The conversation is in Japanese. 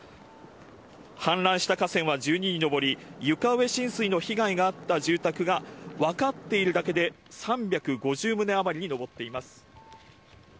氾濫した河川は１２に上り、床上浸水の被害があった住宅が、分かっているだけで３５０棟余りに上っています。